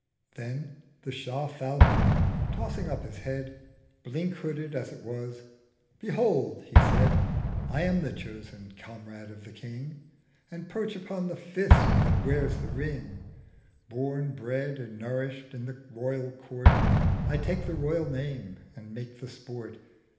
Then The Shah Falcon, tossing up his Head Blink hooded as it was—'Behold,' he said, 'I am the chosen Comrade of the King, And perch upon the Fist that wears the Ring; 400 Born, bred, and nourisht, in the Royal Court, I take the Royal Name and make the Sport.